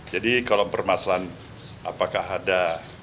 jadi kalau permasalahan apakah ada